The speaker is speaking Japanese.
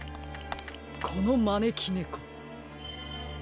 このまねきねこ。